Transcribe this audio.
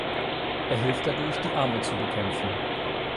Er hilft dadurch, die Armut zu bekämpfen.